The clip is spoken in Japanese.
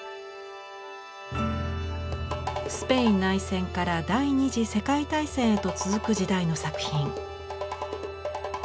スペイン内戦から第二次世界大戦へと続く時代の作品。